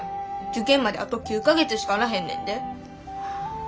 受験まであと９か月しかあらへんねんで。